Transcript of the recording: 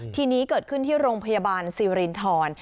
ทีนี้เกิดขึ้นที่โรงพยาบาลสิรินทร